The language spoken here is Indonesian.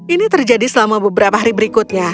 ini terjadi selama beberapa hari berikutnya